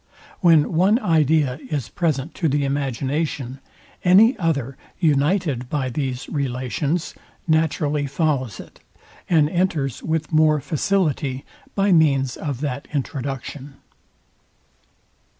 When one idea is present to the imagination, any other, united by these relations, naturally follows it, and enters with more facility by means of that introduction.